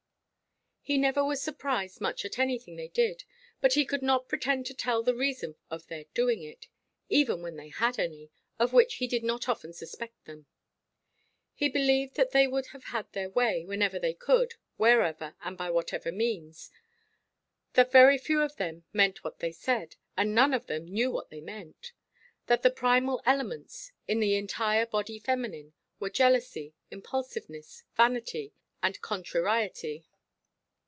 He never was surprised much at anything they did; but he could not pretend to tell the reason of their doing it, even when they had any, of which he did not often suspect them. He believed that they would have their way, whenever they could, wherever, and by whatever means; that very few of them meant what they said, and none of them knew what they meant; that the primal elements, in the entire body feminine, were jealousy, impulsiveness, vanity, and contrariety.